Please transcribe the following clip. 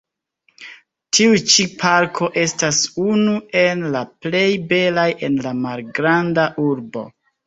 Tiu ĉi parko estas unu el la plej belaj en la Malgranda urbo.